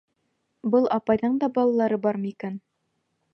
Был апайҙың да балалары бармы икән?